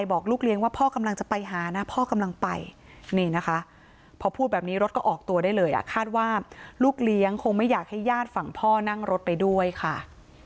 บอกลูกเลี้ยงว่าพ่อกำลังจะไปหานะพ่อกำลังไปนี่นะคะพอพูดแบบนี้รถก็ออกตัวได้เลยอ่ะคาดว่าลูกเลี้ยงคงไม่อยากให้ญาติฝั่งพ่อนั่งรถไปด้วยค่ะ